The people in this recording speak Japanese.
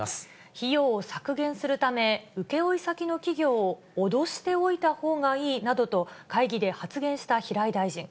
費用を削減するため、請け負い先の企業を脅しておいたほうがいいなどと、会議で発言した平井大臣。